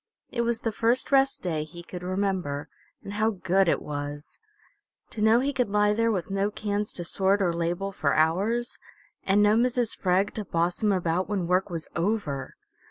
It was the first rest day he could remember, and how good it was! To know he could lie there with no cans to sort or label for hours, and no Mrs. Freg to boss him about when work was over!